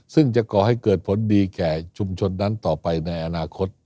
ซึ่งจะก่อให้เกิดผลดีแก่ชุมชนนั้นต่อไปในอนาคต